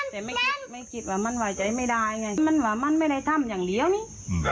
แต่ไม่คิดไม่คิดว่ามันไหวใจไม่ได้ไงมันว่ามันไม่ได้ทำอย่างเดียวนี่